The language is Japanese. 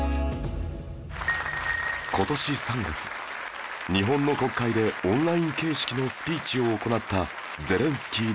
今年３月日本の国会でオンライン形式のスピーチを行ったゼレンスキー大統領